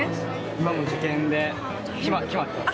今もう受験で決まってます。